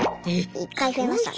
一回増えましたね。